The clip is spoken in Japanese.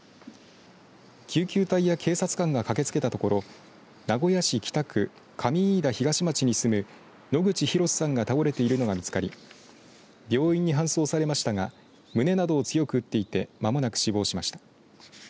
救急隊や警察官が駆けつけたところ名古屋市北区上飯田東町に住む野口廣司さんが倒れているのが見つかり病院に搬送されましたが胸などを強く打っていて間もなく死亡しました。